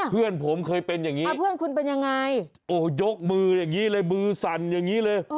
เพื่อนผมเคยเป็นอย่างนี้โอ้ยยกมืออย่างนี้เลยมือสั่นอย่างนี้เลย